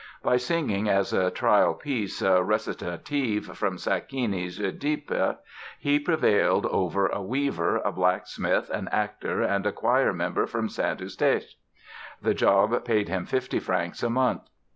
By singing as a trial piece a recitative from Sacchini's "Oedipe" he prevailed over a weaver, a blacksmith, an actor and a choir member from St. Eustache. The job paid him fifty francs a month.